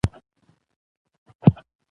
پامیر د افغانستان د زرغونتیا یوه مهمه نښه ده.